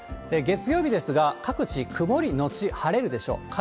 月曜日ですが、各地、曇り後晴れるでしょう。